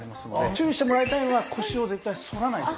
注意してもらいたいのは腰を絶対反らないことです。